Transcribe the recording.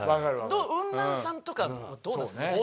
ウンナンさんとかはどうなんすか？